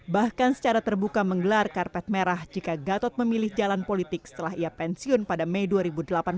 bahkan secara terbuka menggelar karpet merah jika gatot memilih jalan politik setelah ia pensiun pada mei dua ribu delapan belas